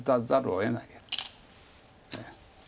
ええ。